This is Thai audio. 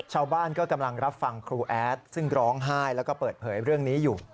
ชาวบ้านก็กำลังรับฟังครูแอดซึ่งร้องไห้แล้วก็เปิดเผยเรื่องนี้อยู่